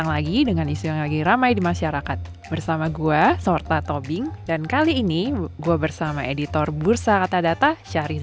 welcome selamat datang untuk perdana ya di dapur kata data ya